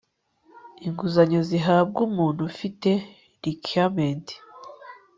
inguzanyo zihabwa umuntu ufite requirements